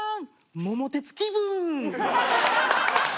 桃鉄気分」。